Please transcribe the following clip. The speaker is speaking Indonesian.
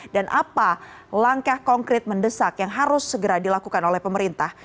dan apa langkah konkret mendesak yang harus segera dilakukan oleh pemerintah